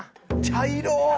茶色！